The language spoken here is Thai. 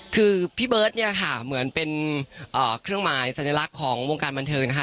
คือพี่เบิร์ตเนี่ยค่ะเหมือนเป็นเครื่องหมายสัญลักษณ์ของวงการบันเทิงนะคะ